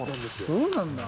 そうなんだ？